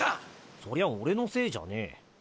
そりゃ俺のせいじゃねえ。